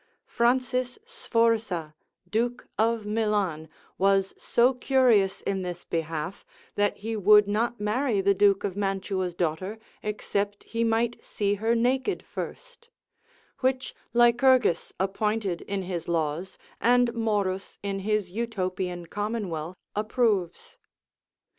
Francis Sforza, Duke of Milan, was so curious in this behalf, that he would not marry the Duke of Mantua's daughter, except he might see her naked first: which Lycurgus appointed in his laws, and Morus in his Utopian Commonwealth approves.